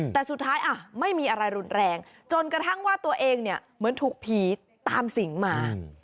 แต่สุดท้ายไม่มีอะไรรุนแรงจนกระทั่งว่าตัวเองเนี่ยเหมือนถูกผีตามสิงมา